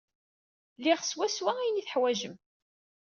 Liɣ swaswa ayen ay teḥwajem.